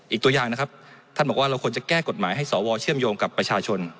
อีกตัวอย่างนะครับท่านบอกว่าเราควรจะแก้กฎหมายให้สวเชื่อมโยงกับประชาชน